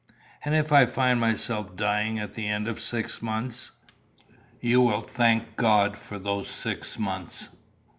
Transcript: "And if I find myself dying at the end of six months'?" "You will thank God for those six months.